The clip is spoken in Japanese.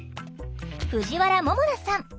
藤原ももなさん。